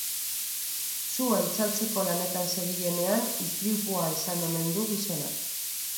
Sua itzaltzeko lanetan zebilenean istripua izan omen du gizonak.